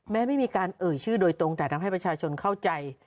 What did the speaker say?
ไม่มีการเอ่ยชื่อโดยตรงแต่ทำให้ประชาชนเข้าใจ